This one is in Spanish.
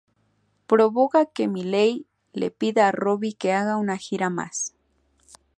Provoca que Miley le pida a Robby que haga una gira más.